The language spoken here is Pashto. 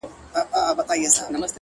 هره ورځ د زده کړې نوې موقع ده